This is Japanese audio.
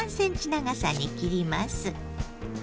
長さに切ります。